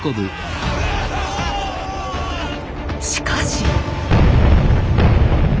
しかし。